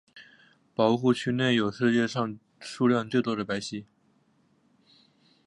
保护区内有世界上数量最多的白犀。